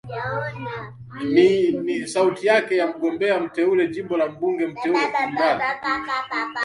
m ni sauti yake mgombea mteulewa jimbo la mbunge mteule kumradhi